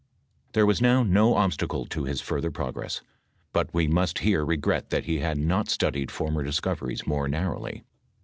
Tliere was now no obstacle to his further progress, but we ranet here regret that he had not studied former discoveries more narrowly.